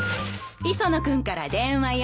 磯野君から電話よ。